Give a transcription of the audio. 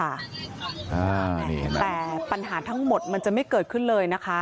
แต่ปัญหาทั้งหมดมันจะไม่เกิดขึ้นเลยนะคะ